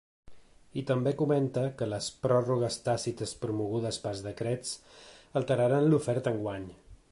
I també comenta que les pròrrogues tàcites promogudes pels decrets alteraran l’oferta enguany.